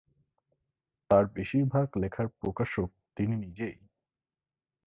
তার বেশীরভাগ লেখার প্রকাশক তিনি নিজেই।